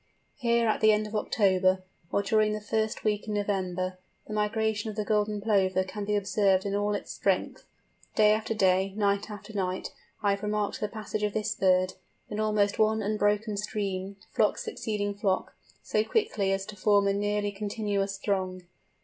Here, at the end of October, or during the first week in November, the migration of the Golden Plover can be observed in all its strength. Day after day, night after night, I have remarked the passage of this bird, in almost one unbroken stream, flock succeeding flock, so quickly as to form a nearly continuous throng.